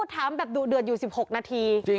ถามแบบดุเดือดอยู่๑๖นาที